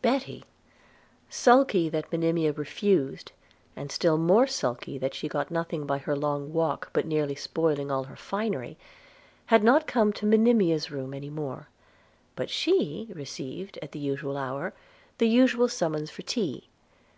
Betty, sulky that Monimia refused, and still more sulky that she had got nothing by her long walk, but nearly spoiling all her finery, had not come to Monimia's room any more; but she received, at the usual hour, the usual summons for tea.